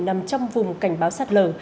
nằm trong vùng cảnh báo sạt lở